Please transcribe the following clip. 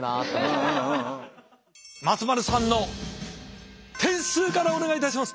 松丸さんの点数からお願いいたします！